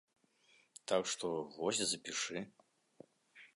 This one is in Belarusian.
Так што, вось запішы.